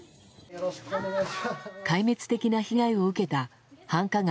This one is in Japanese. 壊滅的な被害を受けた繁華街